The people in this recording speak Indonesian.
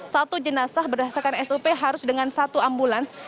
satu jenazah berdasarkan sop harus dengan satu ambulans